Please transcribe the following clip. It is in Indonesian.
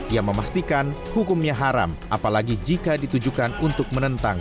ia memastikan hukumnya haram apalagi jika ditujukan untuk menentang